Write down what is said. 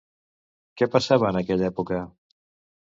Què passava en aquella època?